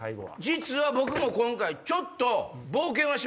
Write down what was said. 実は僕も今回ちょっと。